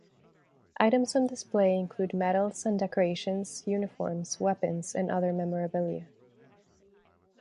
Items on display include medals and decorations, uniforms, weapons and other memorabilia.